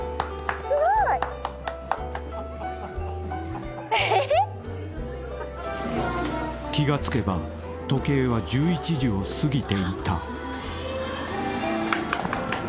すごい！［気が付けば時計は１１時を過ぎていた］